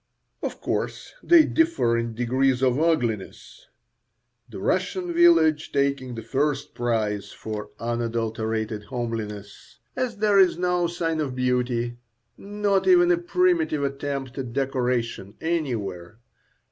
Of course they differ in degrees of ugliness, the Russian village taking the first prize for unadulterated homeliness, as there is no sign of beauty, not even a primitive attempt at decoration, anywhere.